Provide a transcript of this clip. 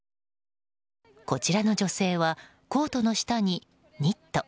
こちらの女性はコートの下にニット。